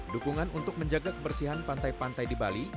dukungan untuk menjaga kebersihan pantai pantai di bali